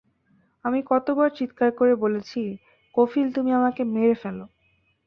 আমি কত বার চিৎকার করে বলেছি-কফিল, তুমি আমারে মেরে ফেল।